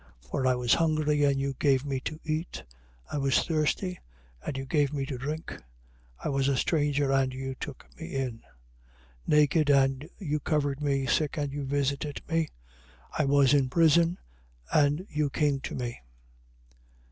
25:35. For I was hungry, and you gave me to eat: I was thirsty, and you gave me to drink: I was a stranger, and you took me in: 25:36. Naked, and you covered me: sick, and you visited me: I was in prison, and you came to me.